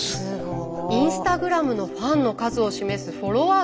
インスタグラムのファンの数を示すフォロワー数は１９万人。